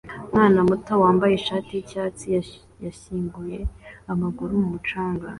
Umwana muto wambaye ishati yicyatsi yashyinguye amaguru mumucanga